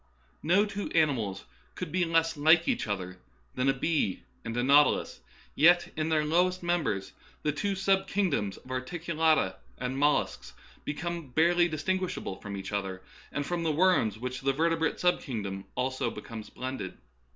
No two animals could be less like each other than a bee and a nautilus, yet in their lowest members the two sub kingdoms of articulata and mollusks become barely distinguishable from each other and from the worms with which the vertebrate sub kingdom also becomes blended.